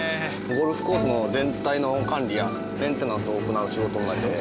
ゴルフコースの全体の管理やメンテナンスを行う仕事になります。